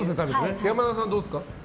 山田さん、どうですか？